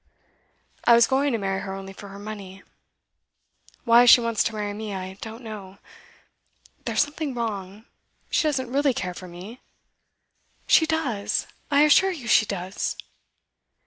I was going to marry her only for her money. Why she wants to marry me, I don't know. There's something wrong; she doesn't really care for me.' 'She does! I assure you she does!